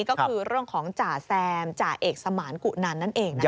ก็คือเรื่องของจ่าแซมจ่าเอกสมานกุนันนั่นเองนะคะ